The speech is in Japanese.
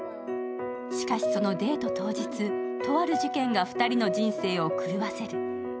しかしそのデート当日、とある事件が２人の人生を狂わせる。